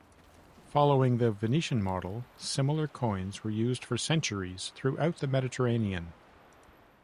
Following the Venetian model, similar coins were used for centuries throughout the Mediterranean.